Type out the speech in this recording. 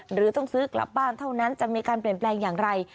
หรือต้องซื้อกลับบ้านเท่านั้นจะมีการเปลี่ยนแปลงอย่างไร